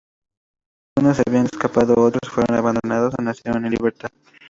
Algunos se habían escapado, otros fueron abandonados o nacieron en libertad.